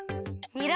にら。